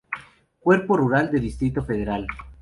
Cuerpo rural del Distrito Federal.